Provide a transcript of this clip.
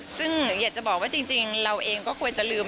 ซึ่งหนูอยากจะบอกว่าจริงเราเองก็ควรจะลืม